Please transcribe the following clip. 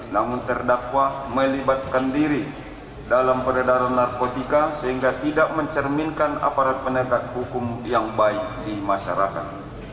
namun terdakwa melibatkan diri dalam peredaran narkotika sehingga tidak mencerminkan aparat penegak hukum yang baik di masyarakat